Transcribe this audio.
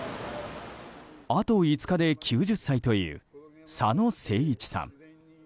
あと５日で９０歳という佐野誠一さん。